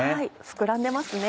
膨らんでますね。